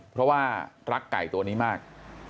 เพราะว่ารักไก่ตัวนี้มาก